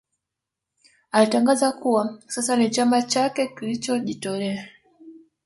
Alitangaza kuwa sasa ni chama chake kilichojitolea